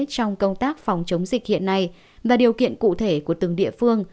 trong công tác phòng chống dịch hiện nay và điều kiện cụ thể của từng địa phương